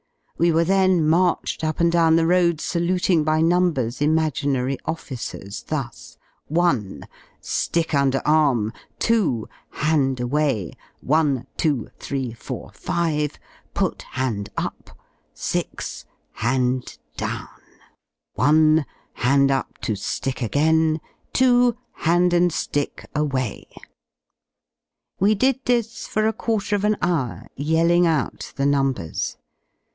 We were then marched up and down the road saluting by numbers imaginary officers, thus: 1. Stick underarm; 2. Hand away; 152,3,45 5) put hand up; 6. Hand down; 1. Hand up to ^ick again; 2. Hand and ^ick away. We did this for a quarter of an hour, yelling out the numbers.